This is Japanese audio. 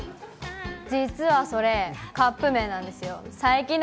実はそれ、カップ麺なんですよ。